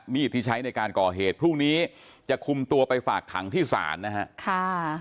มีดที่ใช้ในการก่อเหตุพรุ่งนี้จะคุมตัวไปฝากขังที่ศาลนะฮะ